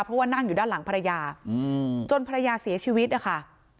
เพราะว่านั่งอยู่ด้านหลังภรรยาจนภรรยาเสียชีวิตนะคะ